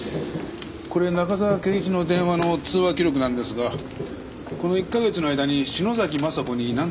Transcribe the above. これ中沢啓一の電話の通話記録なんですがこの１か月の間に篠崎昌子に何度か電話をしています。